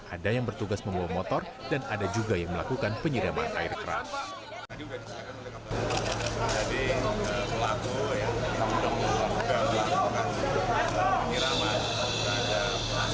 ada yang bertugas membawa motor dan ada juga yang melakukan penyiraman air keras